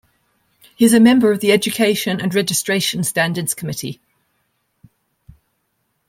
He is a member of the Education and Registration Standards Committee.